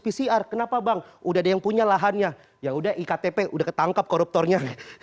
pcr kenapa bang udah ada yang punya lahannya ya udah iktp udah ketangkap koruptornya